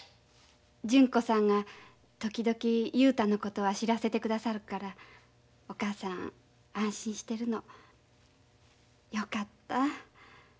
純子さんが時々雄太のことは知らせてくださるからお母さん安心してるの。よかった。